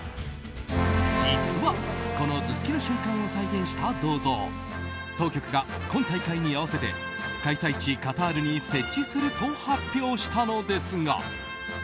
実は、この頭突きの瞬間を再現した銅像当局が今大会に合わせて開催地カタールに設置すると発表したのですが。